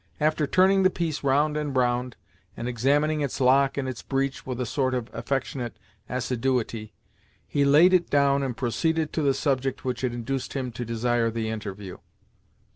After turning the piece round and round, and examining its lock and its breech with a sort of affectionate assiduity, he laid it down and proceeded to the subject which had induced him to desire the interview.